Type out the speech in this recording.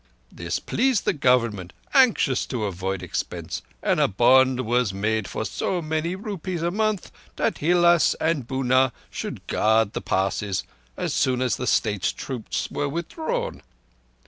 —This pleased the Government, anxious to avoid expense, and a bond was made for so many rupees a month that Hilás and Bunár should guard the Passes as soon as the State's troops were withdrawn.